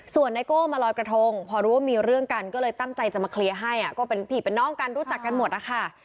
ส่วนไนโก้มาลอยกระทงพอรู้ว่ามีเรื่องกันก็เลยตั้งใจจะมาเคลียร์ให้ก็เป็นพี่เป็นน้องกันรู้จักกันหมดนะคะ